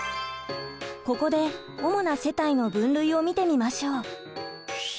ここで主な世帯の分類を見てみましょう。